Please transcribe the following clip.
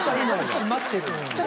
閉まってるんだ。